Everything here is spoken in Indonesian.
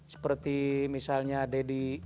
seperti misalnya deddy